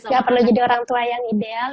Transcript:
gak perlu jadi orang tua yang ideal